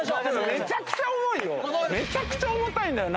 めちゃくちゃ重いよ。